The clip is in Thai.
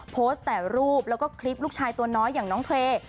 โพสต์แต่รูปแล้วก็คลิปลูกชายตัวน้อยอย่างน้องเท